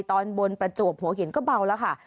ตอนบนประจวบหัวหินก็เบาแล้วค่ะ